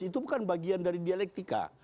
itu bukan bagian dari dialektika